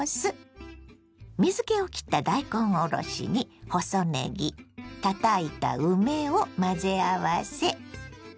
水けをきった大根おろしに細ねぎたたいた梅を混ぜ合わせ。